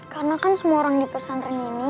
karena kan semua orang di pesantren ini